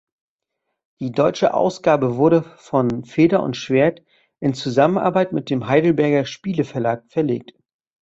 Die deutsche Ausgabe wurde von Feder&Schwert in Zusammenarbeit mit dem Heidelberger Spieleverlag verlegt.